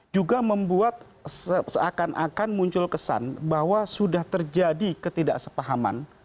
juga membuat seakan akan muncul kesan bahwa sudah terjadi ketidaksepahaman